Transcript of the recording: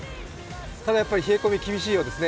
ただやっぱり冷え込み厳しいようですね。